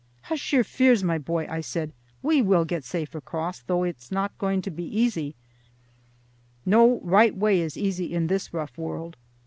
"Hush your fears, my boy," I said, "we will get across safe, though it is not going to be easy. No right way is easy in this rough world.